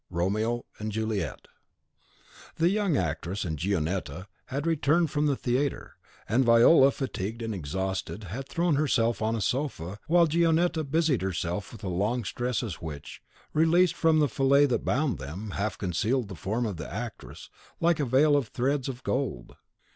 "Romeo and Juliet." The young actress and Gionetta had returned from the theatre; and Viola fatigued and exhausted, had thrown herself on a sofa, while Gionetta busied herself with the long tresses which, released from the fillet that bound them, half concealed the form of the actress, like a veil of threads of gold.